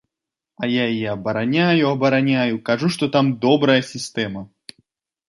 А я яе абараняю, абараняю, кажу, што там добрая сістэма.